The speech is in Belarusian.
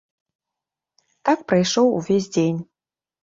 Так прайшоў увесь дзень.